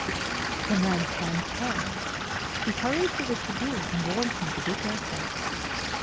The man's hands fell; he hurried to the tribune, and warned him to be careful.